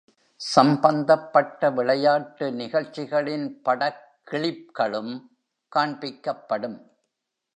சம்பந்தப்பட்ட விளையாட்டு நிகழ்ச்சிகளின் படக் கிளிப்களும் காண்பிக்கப்படும்.